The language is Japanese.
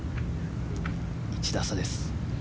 １打差です。